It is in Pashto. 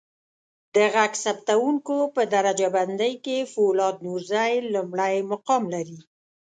د ږغ ثبتکوونکو په درجه بندی کې فولاد نورزی لمړی مقام لري.